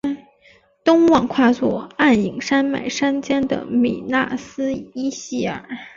东望跨坐黯影山脉山肩的米那斯伊希尔。